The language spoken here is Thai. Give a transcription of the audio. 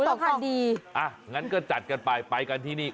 เอาต้นอ่ะงั้นก็จัดกันไปไปกันที่นี้